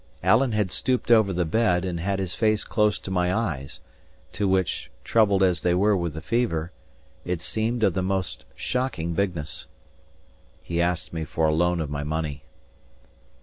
Alan had stooped over the bed, and had his face close to my eyes; to which, troubled as they were with the fever, it seemed of the most shocking bigness. He asked me for a loan of my money.